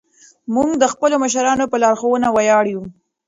موږ د خپلو مشرانو په لارښوونه ویاړو.